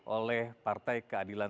oleh partai keadilan